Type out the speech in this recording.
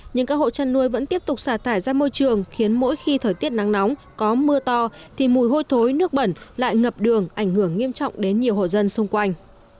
nhưng các hộ chăn nuôi vẫn tiếp tục xả thải ra môi trường khiến mỗi khi thời tiết nắng nóng có mưa to thì mùi hôi thối nước bẩn lại ngập đường ảnh hưởng nghiêm trọng đến nhiều hộ dân xung quanh